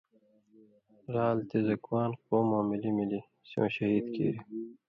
رعل' تے 'زکوان' قوموں مِلی مِلی سېوں شہید کیریۡ۔